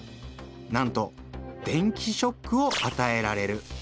なんと電気ショックをあたえられる。